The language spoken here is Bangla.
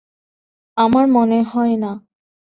আমার মনে হয় না।